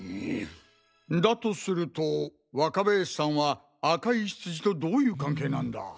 だとすると若林さんは赤いヒツジとどういう関係なんだ。